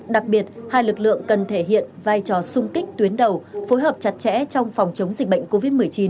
đặc biệt hai lực lượng cần thể hiện vai trò sung kích tuyến đầu phối hợp chặt chẽ trong phòng chống dịch bệnh covid một mươi chín